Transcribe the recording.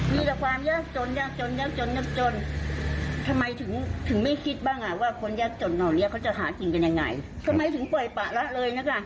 มีแต่ความยากจนยากจนยากจนยากจนทำไมถึงถึงไม่คิดบ้างอ่ะว่าคนยากจนเหล่านี้เขาจะหากินกันยังไงทำไมถึงปล่อยปะละเลยนะคะ